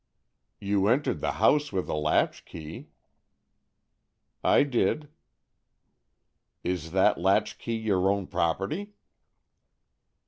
"You entered the house with a latch key." "I did." "Is that latch key your own property?"